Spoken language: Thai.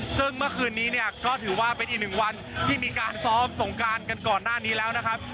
ซึ่งเมื่อคืนนี้เนี่ยก็ถือว่าเป็นอีกหนึ่งวันที่มีการซ้อมสงการกันก่อนหน้านี้แล้วนะครับ